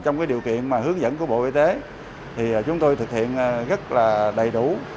trong điều kiện hướng dẫn của bộ y tế thì chúng tôi thực hiện rất là đầy đủ